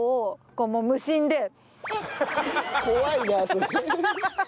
怖いなそれ。